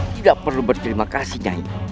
tidak perlu berterima kasih